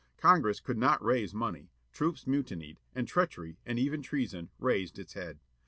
Congress could not raise money, troops mutinied, and treachery, and even treason, raised its head.